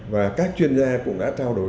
và các chuyên gia cũng đã trao đổi